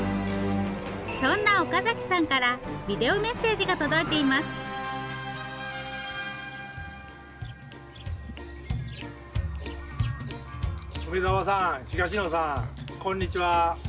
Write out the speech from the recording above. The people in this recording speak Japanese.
そんな岡さんからビデオメッセージが届いています梅沢さん東野さんこんにちは！